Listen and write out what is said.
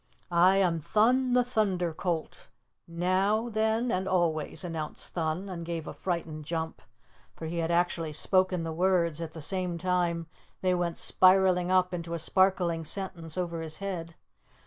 "I am Thun the Thunder Colt, now, then, and always!" announced Thun, and gave a frightened jump, for he had actually spoken the words at the same time they went spiraling up into a sparkling sentence over his head.